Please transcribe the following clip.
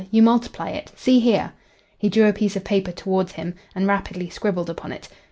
You multiply it. See here." He drew a piece of paper towards him and rapidly scribbled upon it.